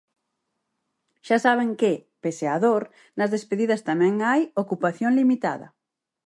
Xa saben que, pese á dor, nas despedidas tamén hai ocupación limitada.